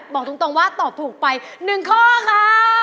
บอกตรงว่าตอบถูกไป๑ข้อค่ะ